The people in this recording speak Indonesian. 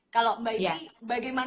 kalau mbak yvi bagaimana